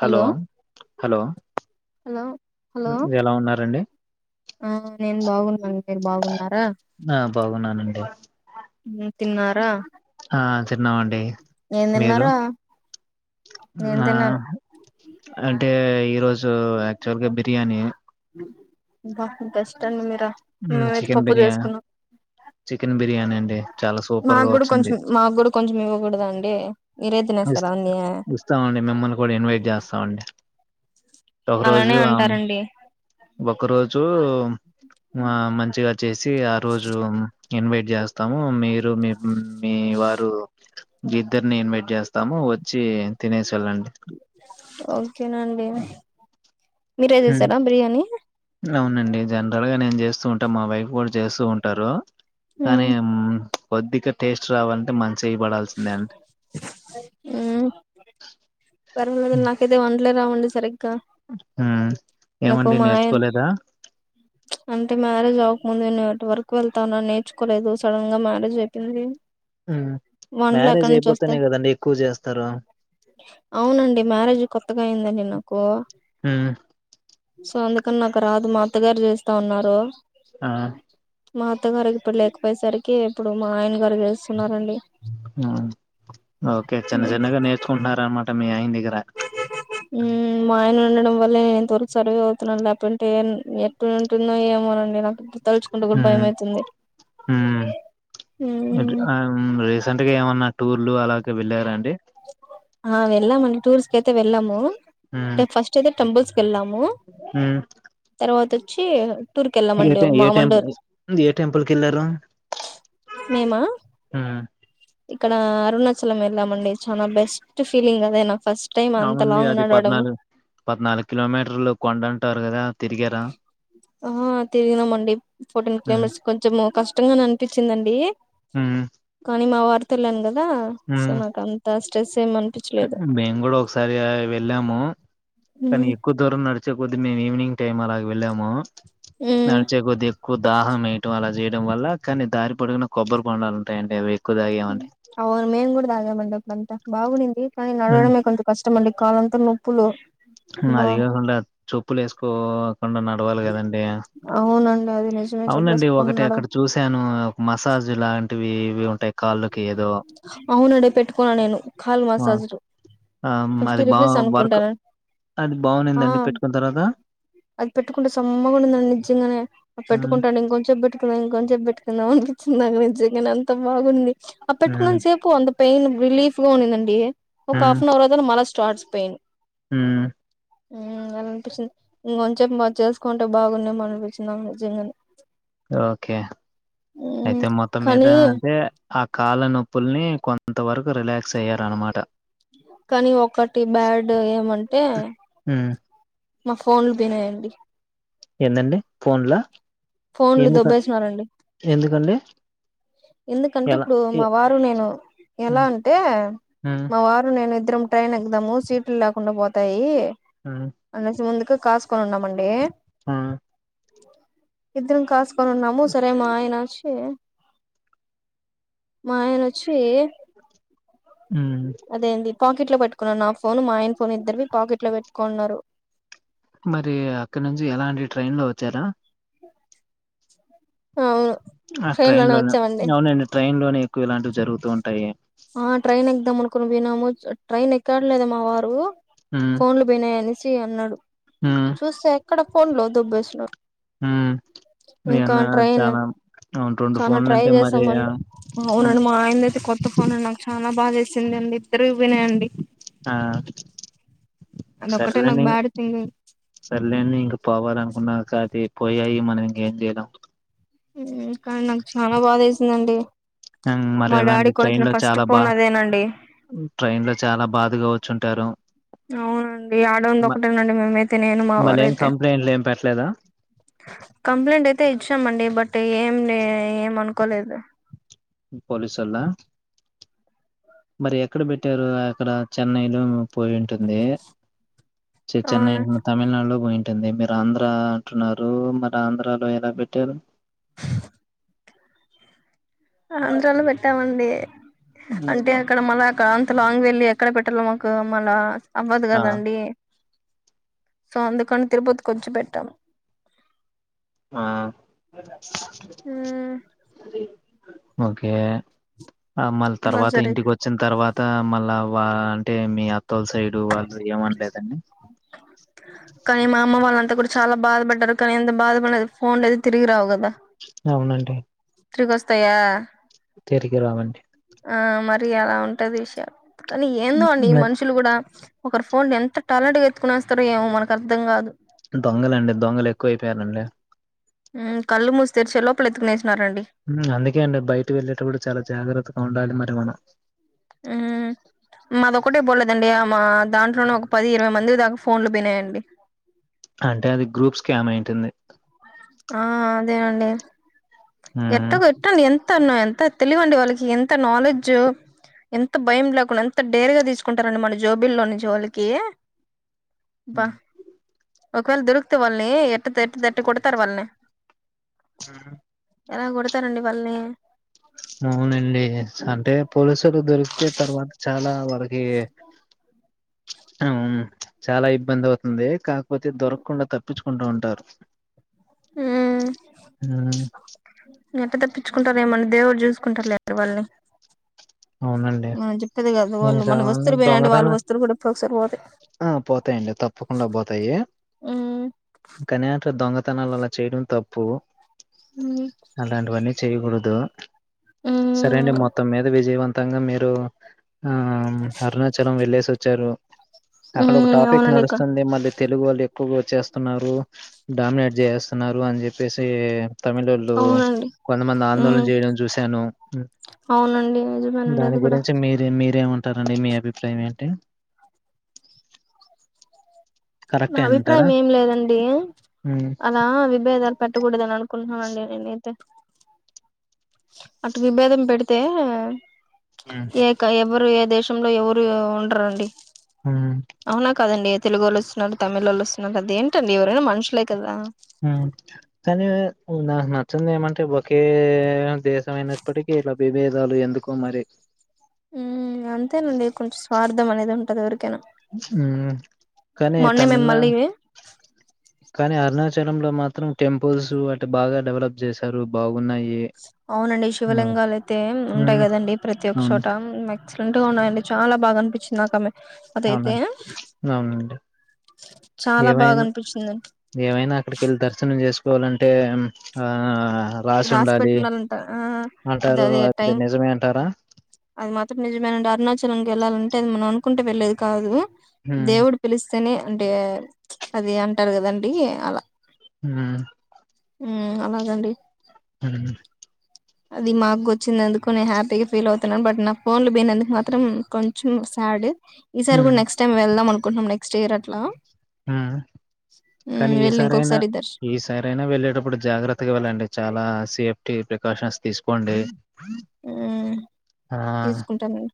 Hello hello hello hello ఎలా ఉన్నారండి ఆ నేను బాగున్నాను మీరు బాగున్ ఆ బాగున్నానండి మీ తిన్నారా ఆ తిన్నామండి ఏం మీరు తిన్నారా నేను ఆ తిన్నాను అంటే ఈరోజు జో యాక్చువల్ గా బిర్యానీ బా కస్టంగ్ ఉన్నట్ త మ్, మేమైతే చికెన్ పప్పు బిర్యానీ చేసుకున్నాం చికెన్ బిర్యానీ అండి చాలా సూపర్ గా మాకు కూడా వచ్చింది కొంచం మాకు కూడా కొంచం ఇవ్వకూడదా అండి ఏ ఇస్ ఇస్తామండి మిమ్మల్ని కూడా ఇన్వైట్ చేస్తామండి ఒక రోజు అలానే అంటారండి ఒక రోజు ఆ మంచిగా వచ్చేసి ఆ రోజు ఇన్వైట్ చేస్తాము మీరు మీ మీ వారు ఇద్దరిని ఇన్వైట్ చేస్ తాము వచ్చి తినేసి పో ఓకేనండి మీరే చేసారా బిర్యానీ అవునండి జనరల్ గా నేను చేస్తూ ఉంటా మా వైఫ్ కూడా చేస్తూ ఉంటారు కానీ ఉమ్ అం కొద్దిగా టేస్ట్ రావాలంటే మంచ్ చేయ్ పడాల్సిందే అండి ఉమ్ లేదా ఉండి సరిగ్ క హ్మ్. నాకు ఏమండి మాయన్ నేర్చుకోలేదా? అంటున్నారు గా ముందు నే ఎటి వరకు వెళ్తానా నేర్చుకోలేదు సడన్ గా మ్యారేజ్ అయిపోయింది మ్మ్ ఎండ్ల ఎక్కడి నుంచి వస్తాయి అవునండి మ్యారేజ్ కొత్తగా అయిందండి నాకు హ్మ్. అందుకని నాకు రాదు మా అత్తగారు చేస్తా ఆన్నారు ఆ మా అత్తగారికి ఇప్పుడు లేకపోయేసరికి ఇప్పుడు మా ఆయన గారు చేస్తున్నారండి. ఆ ఓకే చిన్న చిన్నగా నేర్చుకుంటున్నార అన్నమాట మీరు అయి మీ ఉ మ ఆయన ఉండడం వల్లే ఎంతరకు సర్వే అవుతున్నాన్ లేకపో ఎన్ ఎట్టు ఉంటునో ఏమోనండి మీరా హు హు రీసెంట్గా ఏమన్నా టూర్ ఉల్లో అలగ్ ఆ వెళ్లాం అండి టూర్స్ కైతే వెళ్ళాము హ్మ్. ఫస్ట్ అయితే తం బస్ వెళ్ళాము హ్మ్. తర్వాత చెయ్ ఏ ట ఏ టెం ఏ టెంపుల్ కిళ్లారు మేమా హ్ ఇక్కడ అరుణ చలం వెళ్లామండి చాలా బెస్ట్ ఫీలింగ్ అదే నా ఫస్ట్ టైమ్ అంత అవునండి లాంగ్ అది నడావడం. పద్నాలుగు పద్నాలుగు కిలోమీటర్లు కొండంటారు కదా తిరిగారా ఆ తిరిగినం అండి ఫోర్టీన్ హ్మ్ కిలోమిటర్స్ కొంచ కష్టంగా పించిందండి హ్మ్ కానీ మా వారు తేల్లను గదా సో హ్మ్ నాకంత ట్రేస్ ఏమి ఆన్ మేము కూడా ఒకసారి వెళ్ళాము కానీ మ్మ్ ఎక్కువ దూరం నడ్ చే కొద్ది మేము ఈవినింగ్ టైం అలాగ వెళ్ళాము మ్మ్ నాడిచే కొద్ది ఎక్కువ దు దాహం వేయటం అలా చేయడం వల్ల కానీ దారి పొడుగునా కొబ్బరి బోండాలు ఉంటాయండి. అవి ఎక్కువ తాగామండి అవును మేం కూడా తాగా మంది అప్పుడంతా బాగు నింది కానీ హ్మ్. నడవడమే కొంచం కష్టం అండి కాలంత నొప్పులు బా మాదిగ కుండ చోప్పులు వేసుకో నడవాలి కదండీ అవునండి అది నిజమే అవునండి ఒకటి చెప్పులేసుకున్నాడు అక్కడ చూశాను ఒక మస స్విట్జిల్యాండ్ [inaudible] అవునడే పెట్టుకున్నా నేను కాల్ ఆ మసాజ్ ఆ! ఫిఫ్టీ అది బా రూపీస్ వర్క్ అనుకుంటాన అది ఆ బాగునిందండి పెట్టుకున్న తర్వాత అది పెట్టుకుంటే సమ్మగా నిజంగానే పెట్టుకు హ్మ్ ఉంటానుకొంచెం పెట్టుకునె హ్మ్ ఇంక కొంచెపు పెట్టుకుందాం అనిపించింది నా గురించి నేను అంత బాగుంది అ హ్మ్ పెట్కున్నాంత సేపు అంత పెయిన్ రిలీఫ్ గా ఉనిందండి ఒక హ్మ్ హఫ్న్ అర్ అదా మ స్టార్ట్ పెయిన్ హ్మ్ హ్మ్ అలా అనిపించింది ఇంకొంచేప్ చేసుకుంటే బాగున్నామో అనిపించిందాం నాకు నిజంగాని ఓకే అయితే మొత్తం మీద కానీ అంటే ఆ కాళ్ళ నొప్పుల్ని కొంత వరకు రిలాక్స్ అయ్యార అనమాట కానీ ఒకటి బ్యాడ్ ఏమంటే హ్మ్. మా ఫోన్లు పోయినండి ఏందండి ఫోన్లా ఫోన్లు దొబ్బేసినారండి ఎందుకండి? ఎందుకంటే ఎలా? ఇప్పుడు ఎ మా వారు నేను ఎలా హ్మ్. అంటే ఏ హ్మ్. మా వారు నేను ఇద్దరం ట్రైన్ ఎకుదాము సీట్లు లేకుండా పోతాయి హ్మ్. అనెసి ముందుకు కాస్ కొను ఉన్నామండి ఆ ఇద్దరం కాస్ కొనున్నాము సరే మా ఆయన ఏ మాఆయన వచ్చి హ్మ్. అదే ఏంది పాకెట్ లో పట్టుకో నా ఫోన్ మా ఆయన్ ఫోన్ ఇద్దరు పాకెట్ లో పెట్టుకున్నారు మరి ఈ అక్కడ నుంచి ఎలా అండి ట్రైన్ లో చ్చారా అవును ఆ ట్రైన్ లోనే అవునండి ట్రైన్ లోనే ఎక్కువ ఇలాంటివి జరుగుతూ ఉంటాయి ఆ ట్రైనింగ్ తమను కోణము వినమోచ్ అట్ ట్రైన్ ఎక్కడలేదమ్మా వారు హ్మ్. ఫోన్లు పోయినాయని చి అన్నాడు హ్మ్. చూసా అక్కడ ఫోన్ లో దుబ్బేసినడు ఏన్న ట్రైన్ చాలా ఉవుంటుండు చానా ట్రై ఫోన్లుంటే మరి చేసామండి అవునండి మా ఆయనదైతే కొత్త ఫోన్ నాకు చాలా బాగా చేసిందండి ఎ రూపనా అండి సర్లేని సర్లేని ఇంకా పోవాల అనుకున్నాక అది పోయాయి మనం ఇంకా ఏం చేయలేదు ఉమ్ కానీ నాకు చాలా బాదెసింది అండి మరి అలాంటి ట్రైన్ లో చాలా బా ఫోన్ అదేనండి ట్రైన్ లో చాలా బాధగా ర్చుంటారు అవునండి ఆడంది ఒకటేనండి మేమైతే నేను మా మళ్ళ వారు ఏం అయితే కంప్లైంట్లు ఏం పెట్టలేదా కంప్లైంట్ అయితే ఇచ్చామండి బట్ అంటే ఏమ్ లే ఏమ్ అనుకోలేదు పోలీసోళ్ళా మరి ఎక్కడ పెట్టారు అక్కడ చెన్నైలోనె పోయి ఉంటుంది సే చెన్నై అవును తమిళనాడులో పోయి పెట్ంది మీరు ఆంధ్ర అంటున్నారు మరి ఆంధ్ర లో ఎలా పెట్టారు ఆంధ్రాలో పెట్టామండి అంటే ఉమ్, అక్కడ మల్ల కాన్ లాంగ్ వెళ్లిి ఎక్కడ పెట్టాలో మాకు మళ్ళ అవ్వదు ఆ కదండి సో అందుకని తిరుపతి కూర్చుపెట్టాం ఆ ఉమ్ ఓకే ఆ మళ్ళీ అలా తర్వాత జరిగి ఇంటికి వచ్చిన తర్వాత మళ్ళా అంటే మీ అ తొలసైడు వాళ్ళు ఏమనలేదండి కానీ మా అమ్మ వాళ్ళంతా కూడా చాలా బాధపడ్డారు కనీ ఎంత బాధ పడిన ఫోన్లు అది తిరిగి రావు కదా అవునండి తిరిగివస్తాయా తిరిగి రామండి ఆ మరి అలా ఉంటుంది విషయాలు కానీ ఏందో అండి ఈ మనుషులు కూడా ఒకరు ఫోన్ ఎంత టాలెంట్ గా ఎత్తుకునేస్తారో ఏం మనకి అర్థం కాదు దొంగల అండి దొంగలు ఎక్కువ అయిపోయారంండి కళ్ళు మూసి తెరిచే లోపు ఎత్తుకునేసి అందుకే అండి బయటకి వెళ్ళేటప్పుడు చాలా జాగ్రత్తగా ఉండాలి మరి మనం చి ఉమ్ మాదొక్కటే బలేదండి మా దాంట్ ఇకడున పది ఇరవై మంది దాకా ఫో ఫోన్లు బియినాయండి అంటే అది గ్రూప్ స్కా్యామ్ అయింటుది ఆ అదే అండి ఉమ్, ఎట్టకు ఎట్టం ఎంత ఏంటన్న ఎంత తెలివండి వాళ్ళకి ఎంత నాలెడ్జ్ ఎంత భయం లేకుండా ఎంత ఎంత డేరుగా తీసుకుంటారండీ మనీ జోబిలోని జోలికి బా ఉమ్. ఒకవేళ దొరికితే వాళ్ళని ఎట్ల తెట్ల ఎట్లా కొడతద వాళ్ ని ఎలా కొడతారండి వాళ్ళని హ అవునండి అంటే పోలీసులు దొరికితే తర్వాత చాలా వరకి ఏ హ చాలా ఇబ్బంది అవుతుంది కాకపోతే దొరకకుండా తప్పించుకుంటూ ఉంటారు ఉమ్ ఉమ్ ఎత తప్పించుకుంటారు ఏమని దేవుడు చూసుకుంటారు లే అక్క వాళ్ ని అవునండి వాళ్ళు మన వస్తువులు పోయినంటే దొంగతన వాళ్ళ వస్తువులు కూడా ఎప్పుడు ఒకసారి పోతాయి పోతాయండి తప్పకుండా పోతాయి ఉమ్ కానీ అట్ల దొంగత తనాలు అలా చేయడం తప్పు అలాంటివన్నీ చేయకూడదు సరే అండి ఉమ్ మొత్తం మీద వ జీవన్ మొత్తంగా మీరు ఆ అరుణాచలం వెళ్ళేసి వచ్ వచ్చారు అక్కడ ఒక ఉమ్ టాపిక్ అవునండి అక్క, నడుస్తుంది మళ్ళీ తెలుగు వాళ్ళు ఎక్కువగా వచ్చేస్తున్నారు డామినేట్ చేసేస్తున్నారు అని చెప్పేసి తమిళోళ్ళు అవునండి కొంతమంది ఆందోళన ఉమ్ చేయడం చూశాను అవునండి నిజమేనండి దాని అది కూడా గురించి మీరేం మీరేమంటారండి మీ అభిప్రాయం ఏంటి నా కరెక్టే అంటారా అభిప్రాయం ఏం లేదండి ఉమ్ అలా విభేదాలు పెట్టకూడదున కుల్ండి అండి [unintelligible] టే అట విభేదం పెడితే ఏకా ఎవ్వరు ఏ దేశ రూమ్ లో ఎవరూ ఉండరండి ఉమ్ అవునా కాదాండి తెలుగోళ్లు వస్తున్నారు తమిళోళ్ళు వస్తున్నారు అదేంటండి ఎవరైనా మనుషులే కదా హ్మ్ కానీ నాకు నచ్చంది ఏమంటే ఒకే దేశమైనప్పటికీ ఇలా విభేదాలు ఎందుకో మరి హ్మ్ అంతేనండి కొంచెం స్వార్థ ర్థమ అనేది ఉంటంది ఎవరికి హ్మ్ కానీ మొన్నే తమిళనా మిమ్మల్ని కానీ అరుణాచలంలో మాత్రం టెంపుల్స్ అటు బాగా డెవలప్ చేశారు బాగు అవునండి శివలింగాలు అయితే ఉంటాయి హ్మ్. కదండి ప్రతి ఒక్క అవును. చోట ఎక్సలెంట్ గా ఉన్నాయండి చాలా బా కనిపించింది నాకామె అవునండి అవునండి చాలా బాగా ఏమైనా అనిపించింది ఏమైనా అక్కడికెళ్ళి దర్శనం చేసుకు పోలంటే ఆ రాసి పెట్టిండాలంటరు హ హ అంటారు. అది టైం నిజమే అంటారా? అది మాత్రం నిజమేనండి అరుణాచలానికి వెళ్ళాలం టది మనం అనుకుంటే వెళ్లేది కాదు హ్మ్. దేవుడు పిలిస్ ని అంటే అది అంటారు కదండి అలా హ్మ్ హ్మ్ అలాగండి హ అది మాకు వచ్చిందిందుకు నేను హ్యాపీగా ఫీల్ అవుతున్నాను బట్ నా ఫోన్లు పోయినందుకు మాత్రం కొంచెం సాడ్ ఈ సారి కూడా హ్మ్. నెక్స్ట్ టైమ్ వెళ్దాం అనుకుున్నాం స్టేయర్ అట్లా హమ్ ఉమ్ కానీ వెళ్ళి ఈసారైనా ఇంకొకసారి దర్శ ఈసారైనా వెళ్లేటప్పుడు జాగ్రత్తగా వెళ్ళండి చాలా సేఫ్టీ ప్రికాషన్స్ తీసుకోండి ఉమ్ ఆ తీసుకుంటానండి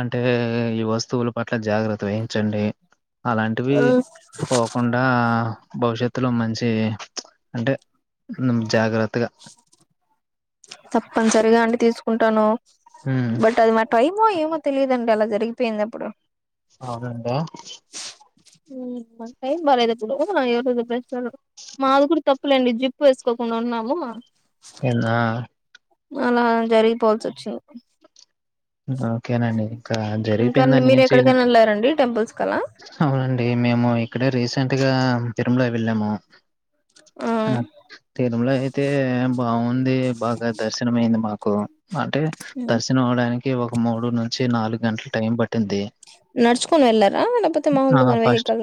అంటే ఈ వస్తువుల పట్ల జాగ్రత్త వేహంచండి అలాంటివి ఉమ్ పోకుండా భవిష్యత్ తులో మంచి అంటే జాగ్రత్తగా తప్పనిసరిగా అండి తీసుకుంటాను ఉమ్ బట్ అది మ టైమో ఏమో తెలియదండి అలా జరిగిపోయింది అప్పుడు అవునంట మా టైం బాలేదు అప్పుడు ఎవరోజు ప్రెస్ ఒళ్లు మాది కూడా తప్పులేండి జిప్పు వేసుకోకుండా ఉన్నాము ఏనా అలా జరిగిపోల్సి వచ్చింది ఓకేనండి ఇంకా ఇంకా జరిగిపోయిందని మీరు ఏం చేయలేం ఎక్కడికైనా వెళ్ళారండి టెంపుల్స్ కలా అవునండి మేము ఇక్కడ రీసెంట్ గా తిరుమల వెళ్ళాము ఆ తిరుమల అయితే బాగుంది బాగా దర్శనం అయింది మాకు కు అంటే హ్మ్. దర్శనమవడానికి ఒక మూడు నుంచి నాలుగు గంటలు టైం పట్టింది నర్చ వెళ్లారా లేకపోతే మాములుగా వెహికల్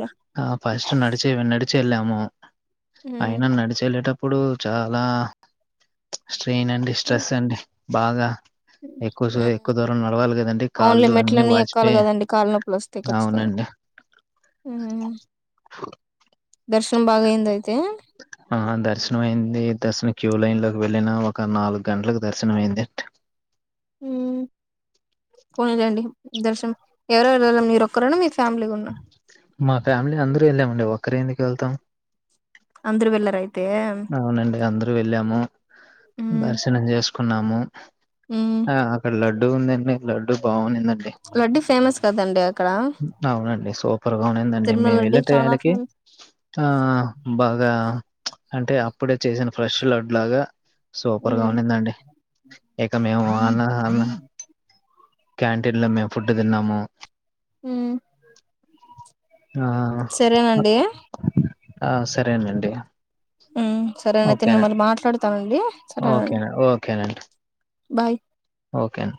నడిచేవి నడిచే ఎల్లాము అయిన నడిచెల్లేటప్పుడు ఇప్పుడు చాలా పైనుండి స్ట్రెస్ అండి బాగా ఎక్కువ సే మ్మ్ ఎక్కువ దూరం నడవాలి కదండి ఔన్లే కాళ్ళు మెట్లన్నీ ఎక్కాలి కదండి కాళ్లు నొప్పులు వస్తాయ్ కచ్చిత ఉండండి దర్శనం బాగా అయింద అయితే ఆ దర్శనం అయింది దర్శన క్యూ లైన్ లోకి వెళ్ళిన ఒక నాలుగు గంటలకు దర్శనం అయింది హ్మ్ పోనీలేండి దర్శనం ఎవర ఎవరు ఎల్లారు మీరు ఒక్కరేనా మీ ఫ్యామిలీ గూడ మా ఫ్యామిలీ అందరూ ఎల్లాం అండి ఒక్కరే ఎందుకు వెళ్తాం అందరు వెళ్ళార అవునండి అందరు వెళ్ళాము అయితే దర్శనం చేసుకున్నాము ఆ అక్కడ లడ్డుూ ఉందండి లడ్డు బాగుండిందండి లడ్డు ఫేమస్ కదండి అక్కడ అవునండి సూపర్గా ఉన్నిందండి తిరుమల మేము లడ్డు వెళ్ళే చానా టయానికి ఫేమస్ ఆ బాగా చ్ అంటే అప్పుడే చేసిన ఫ్రెష్ లడ్లగా సూపర్గా ఉమ్ ఉన్నిందండి ఇక మేము అన అన క్యాంటీన్ లో మేము ఫుడ్ తిన్నాము ఉమ్ ఆ! సరేనండి ఆ సరేనండి ఉమ్ సరేనయితే నేను ఓకేనండి. మల్లి మాట్లాడతానండి సరేనండి ఓకేనండి. బాయ్ ఓకే అండి